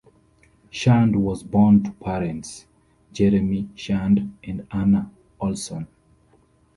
Shand was born to parents Jeremy Shand and Ana Olsson.